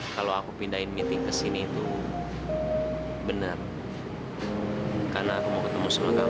kalau aku pindahin meeting ke sini itu benar karena aku mau ketemu sama kamu